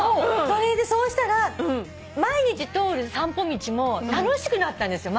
それでそうしたら毎日通る散歩道も楽しくなったんですよ